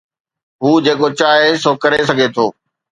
هو جيڪو چاهي سو ڪري سگهي ٿو.